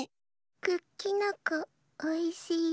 クッキノコおいしいよ。